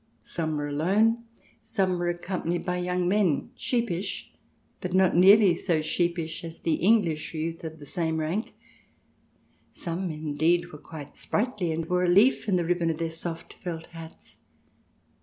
Some were alone, some were accompanied by young men, sheepish, but not nearly so sheepish as the English youth of the same rank. Some, indeed, were quite sprightly, and wore a leaf in the ribbon of their soft felt hats.